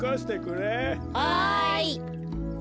はい。